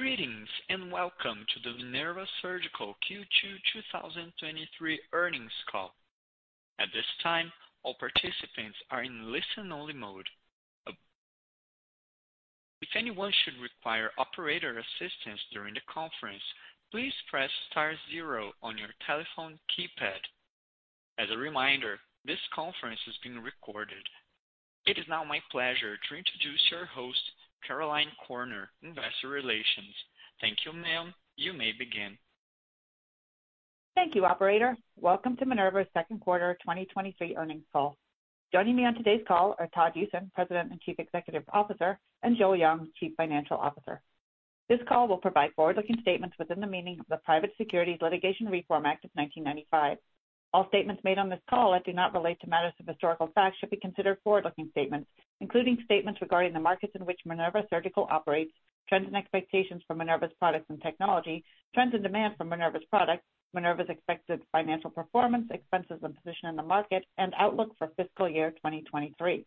Greetings, and welcome to the Minerva Surgical Q2 2023 earnings call. At this time, all participants are in listen-only mode. If anyone should require operator assistance during the conference, please press star zero on your telephone keypad. As a reminder, this conference is being recorded. It is now my pleasure to introduce your host, Caroline Corner, Investor Relations. Thank you, ma'am. You may begin. Thank you, operator. Welcome to Minerva's second quarter 2023 earnings call. Joining me on today's call are Todd Usen, President and Chief Executive Officer, and Joel Jung, Chief Financial Officer. This call will provide forward-looking statements within the meaning of the Private Securities Litigation Reform Act of 1995. All statements made on this call that do not relate to matters of historical fact should be considered forward-looking statements, including statements regarding the markets in which Minerva Surgical operates, trends and expectations for Minerva's products and technology, trends in demand for Minerva's products, Minerva's expected financial performance, expenses and position in the market, and outlook for fiscal year 2023.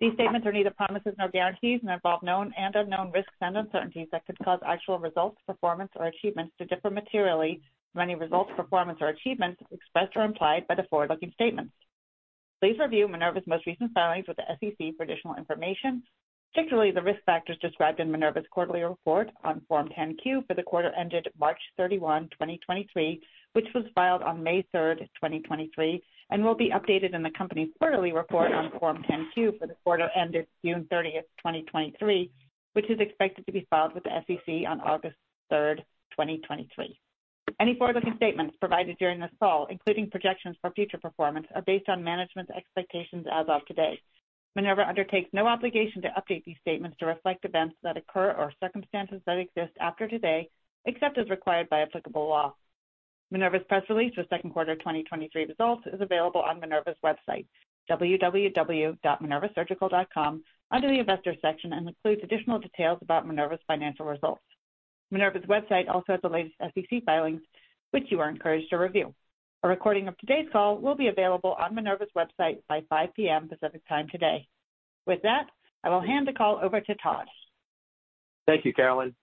These statements are neither promises nor guarantees and involve known and unknown risks and uncertainties that could cause actual results, performance, or achievements to differ materially from any results, performance, or achievements expressed or implied by the forward-looking statements. Please review Minerva's most recent filings with the SEC for additional information, particularly the risk factors described in Minerva's quarterly report on Form 10-Q for the quarter ended March 31, 2023, which was filed on May 3, 2023, and will be updated in the company's quarterly report on Form 10-Q for the quarter ended June 30, 2023, which is expected to be filed with the SEC on August 3, 2023. Any forward-looking statements provided during this call, including projections for future performance, are based on management's expectations as of today. Minerva undertakes no obligation to update these statements to reflect events that occur or circumstances that exist after today, except as required by applicable law. Minerva's press release for second quarter 2023 results is available on Minerva's website, www.minervasurgical.com, under the Investors section and includes additional details about Minerva's financial results. Minerva's website also has the latest SEC filings, which you are encouraged to review. A recording of today's call will be available on Minerva's website by 5 P.M. Pacific Time today. With that, I will hand the call over to Todd. Thank you, Caroline,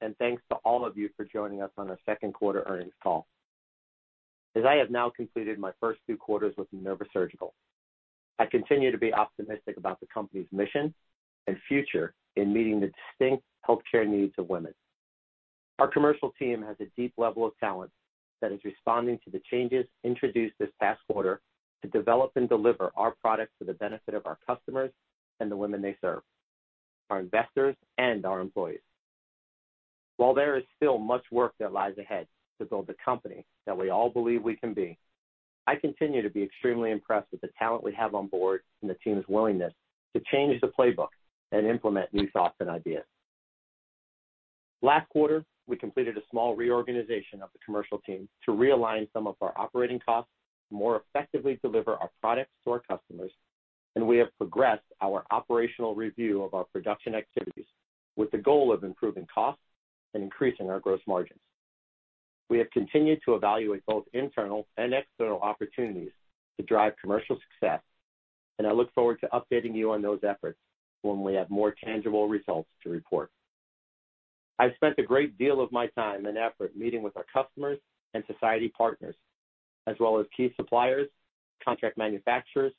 and thanks to all of you for joining us on our second quarter earnings call. As I have now completed my first 2 quarters with Minerva Surgical, I continue to be optimistic about the company's mission and future in meeting the distinct healthcare needs of women. Our commercial team has a deep level of talent that is responding to the changes introduced this past quarter to develop and deliver our products for the benefit of our customers and the women they serve, our investors and our employees. While there is still much work that lies ahead to build the company that we all believe we can be, I continue to be extremely impressed with the talent we have on board and the team's willingness to change the playbook and implement new thoughts and ideas. Last quarter, we completed a small reorganization of the commercial team to realign some of our operating costs to more effectively deliver our products to our customers. We have progressed our operational review of our production activities with the goal of improving costs and increasing our gross margins. We have continued to evaluate both internal and external opportunities to drive commercial success. I look forward to updating you on those efforts when we have more tangible results to report. I've spent a great deal of my time and effort meeting with our customers and society partners, as well as key suppliers, contract manufacturers,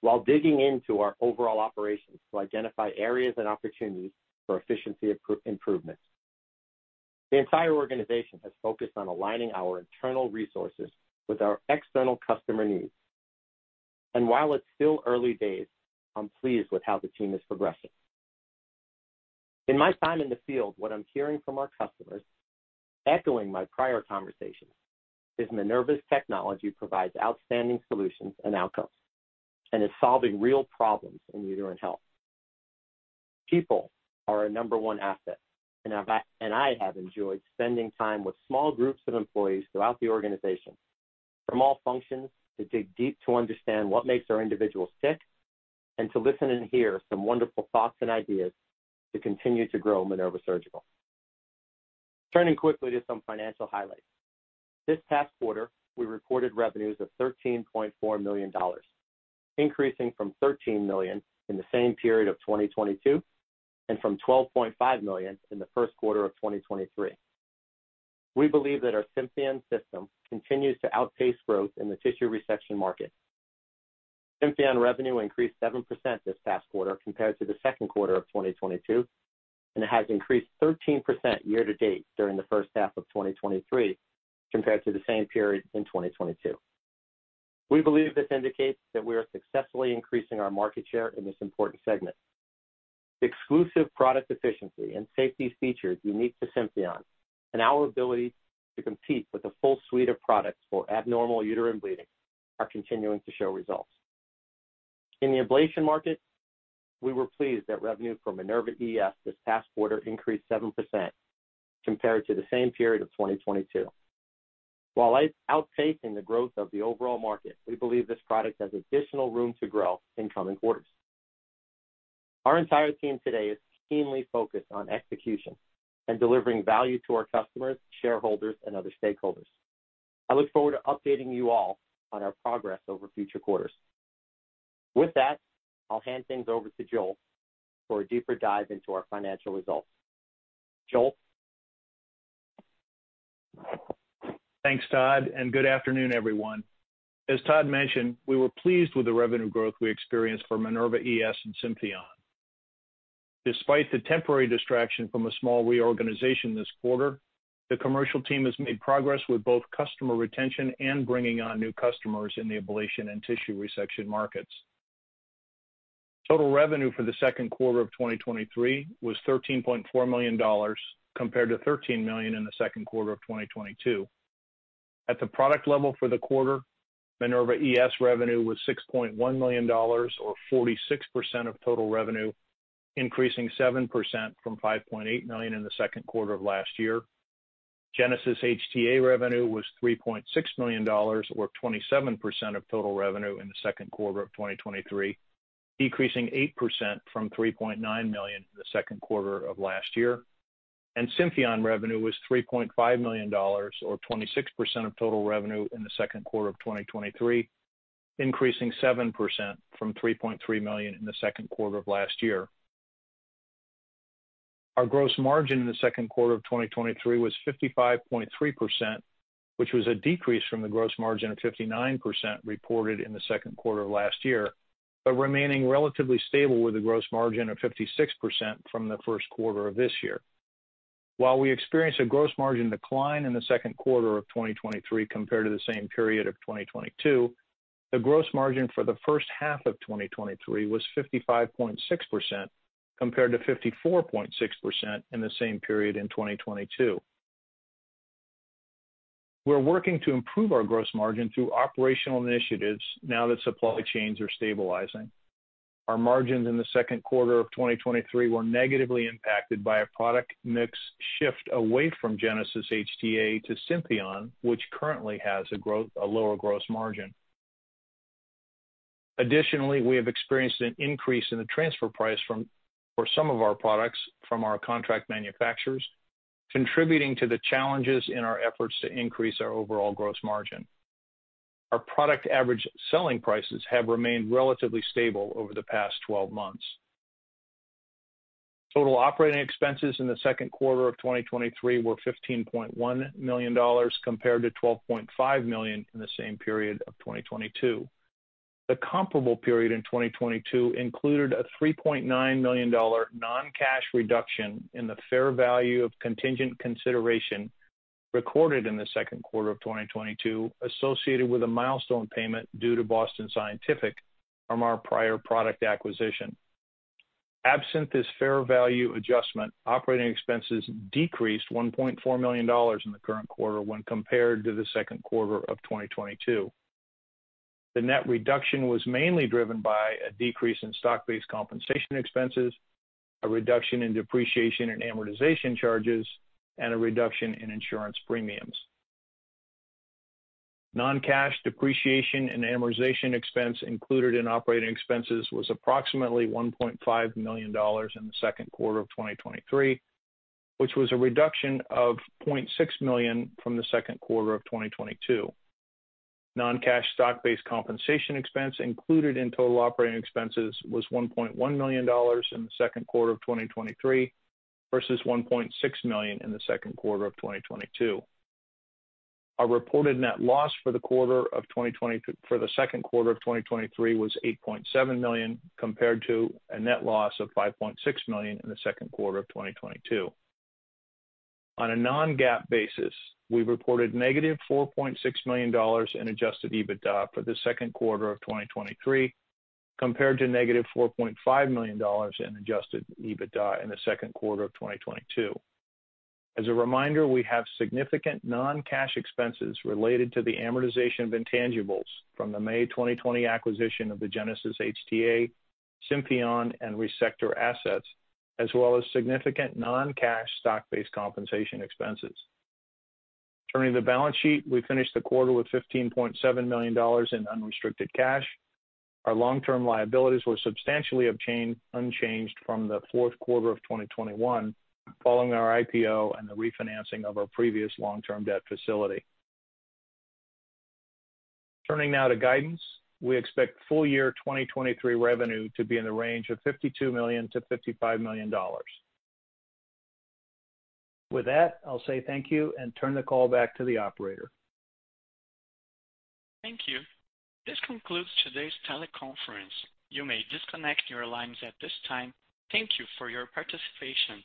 while digging into our overall operations to identify areas and opportunities for efficiency improvements. The entire organization has focused on aligning our internal resources with our external customer needs, and while it's still early days, I'm pleased with how the team is progressing. In my time in the field, what I'm hearing from our customers, echoing my prior conversations, is Minerva's technology provides outstanding solutions and outcomes and is solving real problems in uterine health. People are our number one asset, and I have enjoyed spending time with small groups of employees throughout the organization from all functions, to dig deep to understand what makes our individuals tick, and to listen and hear some wonderful thoughts and ideas to continue to grow Minerva Surgical. Turning quickly to some financial highlights. This past quarter, we reported revenues of $13.4 million, increasing from $13 million in the same period of 2022, and from $12.5 million in the first quarter of 2023. We believe that our Symphion System continues to outpace growth in the tissue resection market. Symphion revenue increased 7% this past quarter compared to the second quarter of 2022, and it has increased 13% year to date during the first half of 2023, compared to the same period in 2022. We believe this indicates that we are successfully increasing our market share in this important segment. Exclusive product efficiency and safety features unique to Symphion and our ability to compete with a full suite of products for abnormal uterine bleeding are continuing to show results. In the ablation market, we were pleased that revenue for Minerva ES this past quarter increased 7% compared to the same period of 2022. While outpacing the growth of the overall market, we believe this product has additional room to grow in coming quarters. Our entire team today is keenly focused on execution and delivering value to our customers, shareholders, and other stakeholders. I look forward to updating you all on our progress over future quarters. With that, I'll hand things over to Joel for a deeper dive into our financial results. Joel? Thanks, Todd, and good afternoon, everyone. As Todd mentioned, we were pleased with the revenue growth we experienced for Minerva ES and Symphion. Despite the temporary distraction from a small reorganization this quarter, the commercial team has made progress with both customer retention and bringing on new customers in the ablation and tissue resection markets. Total revenue for the second quarter of 2023 was $13.4 million, compared to $13 million in the second quarter of 2022. At the product level for the quarter, Minerva ES revenue was $6.1 million, or 46% of total revenue, increasing 7% from $5.8 million in the second quarter of last year. Genesys HTA revenue was $3.6 million, or 27% of total revenue in the second quarter of 2023, decreasing 8% from $3.9 million in the second quarter of last year. Symphion revenue was $3.5 million, or 26% of total revenue in the second quarter of 2023, increasing 7% from $3.3 million in the second quarter of last year. Our gross margin in the second quarter of 2023 was 55.3%, which was a decrease from the gross margin of 59% reported in the second quarter of last year, but remaining relatively stable with a gross margin of 56% from the first quarter of this year. While we experienced a gross margin decline in the second quarter of 2023 compared to the same period of 2022, the gross margin for the first half of 2023 was 55.6%, compared to 54.6% in the same period in 2022. We're working to improve our gross margin through operational initiatives now that supply chains are stabilizing. Our margins in the second quarter of 2023 were negatively impacted by a product mix shift away from Genesys HTA to Symphion, which currently has a lower gross margin. Additionally, we have experienced an increase in the transfer price from, for some of our products from our contract manufacturers, contributing to the challenges in our efforts to increase our overall gross margin. Our product average selling prices have remained relatively stable over the past 12 months. Total operating expenses in the second quarter of 2023 were $15.1 million, compared to $12.5 million in the same period of 2022. The comparable period in 2022 included a $3.9 million non-cash reduction in the fair value of contingent consideration recorded in the second quarter of 2022, associated with a milestone payment due to Boston Scientific from our prior product acquisition. Absent this fair value adjustment, operating expenses decreased $1.4 million in the current quarter when compared to the second quarter of 2022. The net reduction was mainly driven by a decrease in stock-based compensation expenses, a reduction in depreciation and amortization charges, and a reduction in insurance premiums. Non-cash depreciation and amortization expense included in operating expenses was approximately $1.5 million in the second quarter of 2023, which was a reduction of $0.6 million from the second quarter of 2022. Non-cash stock-based compensation expense included in total operating expenses was $1.1 million in the second quarter of 2023 versus $1.6 million in the second quarter of 2022. Our reported net loss for the second quarter of 2023 was $8.7 million, compared to a net loss of $5.6 million in the second quarter of 2022. On a non-GAAP basis, we reported negative $4.6 million in adjusted EBITDA for the second quarter of 2023, compared to negative $4.5 million in adjusted EBITDA in the second quarter of 2022. As a reminder, we have significant non-cash expenses related to the amortization of intangibles from the May 2020 acquisition of the Genesys HTA, Symphion, and Resectr assets, as well as significant non-cash stock-based compensation expenses. Turning to the balance sheet, we finished the quarter with $15.7 million in unrestricted cash. Our long-term liabilities were substantially remained unchanged from the fourth quarter of 2021, following our IPO and the refinancing of our previous long-term debt facility. Turning now to guidance, we expect full year 2023 revenue to be in the range of $52 million-$55 million. With that, I'll say thank you and turn the call back to the operator. Thank you. This concludes today's teleconference. You may disconnect your lines at this time. Thank you for your participation.